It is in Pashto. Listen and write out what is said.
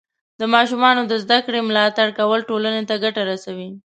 د ماشومانو د زده کړې ملاتړ کول ټولنې ته ګټه رسوي.